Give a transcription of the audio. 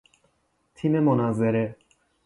تیم مناظره